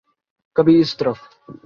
کبھی اس طرف۔